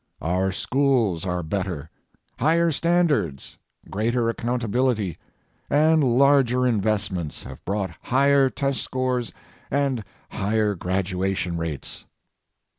Our schools are better: higher standards, greater accountability and larger investments have brought higher test scores and higher graduation rates.